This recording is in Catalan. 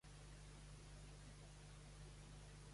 Es diu Nayara: ena, a, i grega, a, erra, a.